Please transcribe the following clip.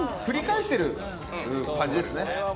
繰り返してる感じですね。